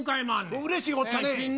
うれしいこっちゃね。